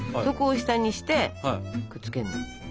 そこを下にしてくっつけるの。